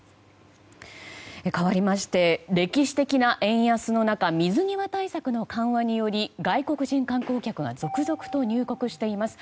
かわりまして歴史的な円安の中水際対策の緩和によって外国人観光客が続々と入国しています。